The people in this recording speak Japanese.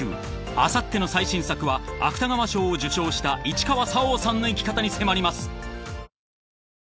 ［あさっての最新作は芥川賞を受賞した市川沙央さんの生き方に迫ります］